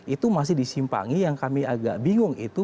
itu masih disimpangi yang kami agak bingung itu